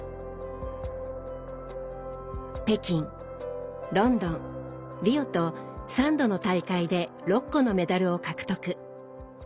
北京ロンドンリオと３度の大会で６個のメダルを獲得。